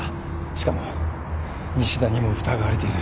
しかも西田にも疑われている。